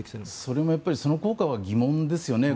それもその効果は疑問ですよね。